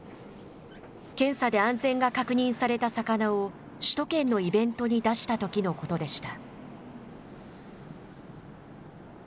検査で安全が確認された魚を、首都圏のイベントに出したときのことでした。